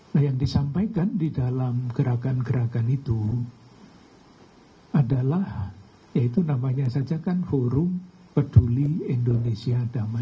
nah yang disampaikan di dalam gerakan gerakan itu adalah ya itu namanya saja kan forum peduli indonesia damai